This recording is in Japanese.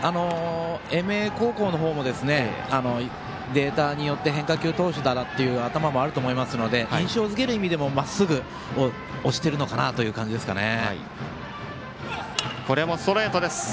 英明高校の方もデータによって変化球投手だという頭もあると思いますので印象付ける意味でもまっすぐで押しているのかなという感じですね。